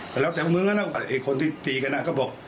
แต่แล้วแต่มึงนะคนที่ตีกันนะก็บอก